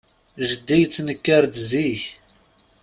Jeddi yettenkar-d zik.